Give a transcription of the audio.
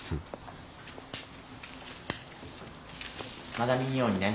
まだ見んようにね。